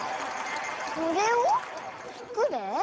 「これをつくれ」？